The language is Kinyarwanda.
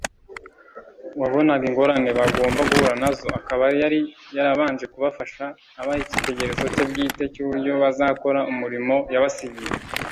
, wabonaga ingorane bagomba guhura na zo, akaba yari yarabanje kubafasha abaha icyitegererezo cye bwite, cy’uburyo bazakora umurimo yabasigiye.